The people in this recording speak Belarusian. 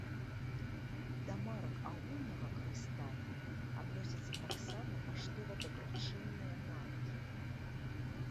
Да марак агульнага карыстання адносяцца таксама паштова-дабрачынныя маркі.